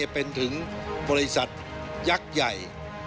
เป็นถึงบริษัทยักษ์ใหญ่